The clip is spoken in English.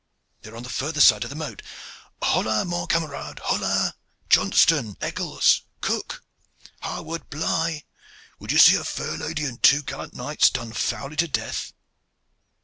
They are on the further side of the moat. Hola camarades, hola! Johnston, Eccles, Cooke, Harward, Bligh! Would ye see a fair lady and two gallant knights done foully to death?"